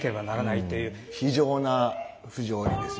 非情な不条理ですよね。